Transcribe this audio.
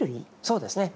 そうですね。